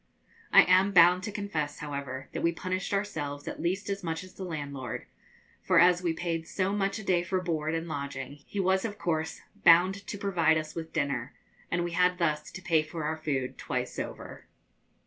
I am bound to confess, however, that we punished ourselves at least as much as the landlord, for as we paid so much a day for board and lodging, he was of course bound to provide us with dinner, and we had thus to pay for our food twice over.